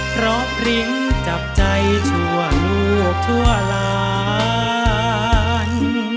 เพราะปริ้งจับใจชั่วลูกทั่วหลาน